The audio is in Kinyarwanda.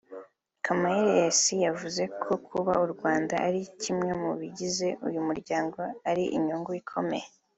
Kamayirese yavuze ko kuba u Rwanda ari kimwe mu bigize uyu muryango ari inyungu ikomeye